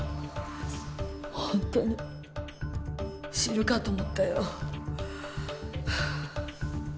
本当に死ぬかと思ったよ。